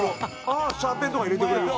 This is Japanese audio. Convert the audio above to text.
シャーペンとか入れてくれる袋？